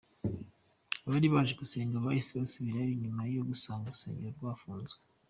Abari baje gusenga bahise bisubirirayo nyuma yo gusanga urusengero rwafunzwe.